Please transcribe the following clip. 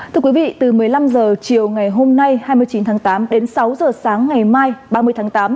thưa quý vị từ một mươi năm h chiều ngày hôm nay hai mươi chín tháng tám đến sáu h sáng ngày mai ba mươi tháng tám